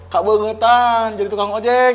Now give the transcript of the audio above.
kak bo ngetan jadi tukang ojek